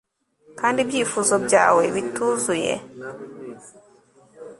kandi ibyifuzo byawe bituzuye